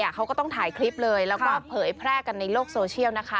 เขาก็ต้องถ่ายคลิปเลยแล้วก็เผยแพร่กันในโลกโซเชียลนะคะ